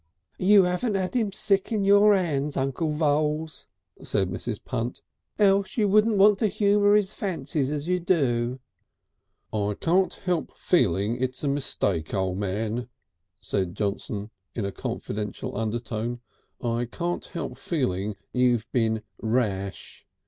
"You 'aven't 'ad 'im sick on your 'ands, Uncle Voules," said Mrs. Punt. "Else you wouldn't want to humour his fancies as you do...." "I can't help feeling it's a mistake, O' Man," said Johnson, in a confidential undertone. "I can't help feeling you've been Rash.